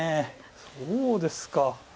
そうですか。